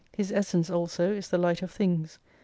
His essence also is the Light of Things.